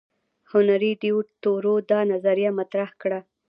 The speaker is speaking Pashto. هنري ډیویډ تورو دا نظریه مطرح کړه.